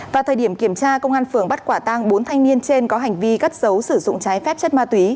vào thời điểm kiểm tra công an phường bắt quả tang bốn thanh niên trên có hành vi cất dấu sử dụng trái phép chất ma túy